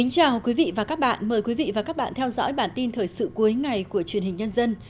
chào mừng quý vị đến với bản tin thời sự cuối ngày của truyền hình nhân dân